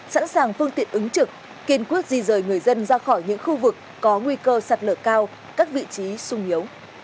sẵn sàng phương tiện ứng trực kiên quyết di rời người dân ra khỏi những khu vực có nguy cơ sạt lở cao các vị trí sung yếu